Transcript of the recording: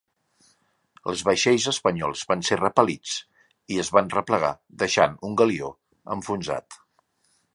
Els vaixells espanyols van ser repel·lits i es van replegar deixant un galió enfonsat.